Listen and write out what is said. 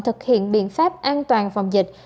thực hiện biện pháp an toàn phòng dịch